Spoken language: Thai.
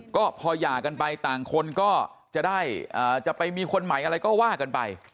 ก็พอหย่ากันไปต่างคนก็จะได้จะไปมีคนใหม่อะไรก็ว่ากันไป